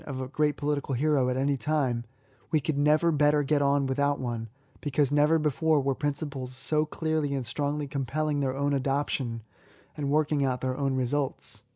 73 of a great poKtical hero at any time, we could never better get on without one, because never before were principles so clearly and strongly compelling their own adoption, and working out their own residts.